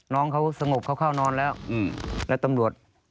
เนาะเขาสงบเข้านอนแล้ว